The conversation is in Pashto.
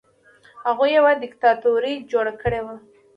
هغوی یوه دیکتاتوري جوړه کړې وه.